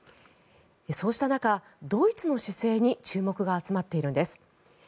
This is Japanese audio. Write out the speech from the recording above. そうした中、ドイツの姿勢に注目が集まっているんです。